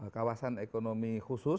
kawasan ekonomi khusus